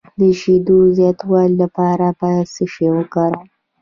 د شیدو زیاتولو لپاره باید څه شی وکاروم؟